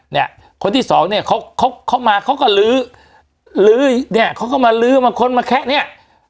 เนี่ยคนที่สองเนี่ยเขาเขามาเขาก็ลื้อลื้อเนี่ยเขาก็มาลื้อมาค้นมาแคะเนี้ย